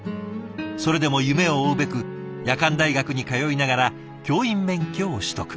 それでも夢を追うべく夜間大学に通いながら教員免許を取得。